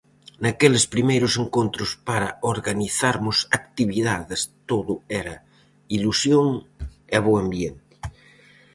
Naqueles primeiros encontros para organizarmos actividades, todo era ilusión e bo ambiente.